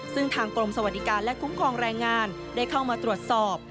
ซึ่งทางกรมสวัสดิการและคุ้มครองแรงงานได้เข้ามาตรวจสอบ